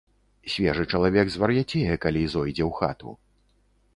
Свежы чалавек звар'яцее, калі зойдзе ў хату.